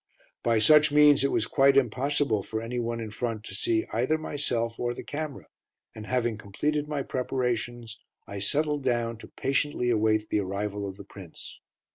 By such means it was quite impossible for anyone in front to see either myself or the camera, and having completed my preparations, I settled down to patiently await the arrival of the Prince.